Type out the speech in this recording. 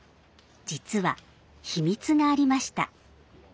実は秘密がありました。